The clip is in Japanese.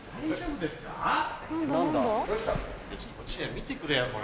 見てくれよこれ。